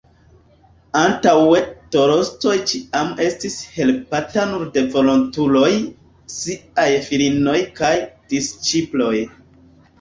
Antaŭe Tolstoj ĉiam estis helpata nur de volontuloj, siaj filinoj kaj «disĉiploj».